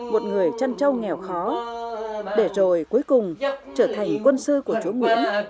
một người chăn trâu nghèo khó để rồi cuối cùng trở thành quân sư của chúa nguyễn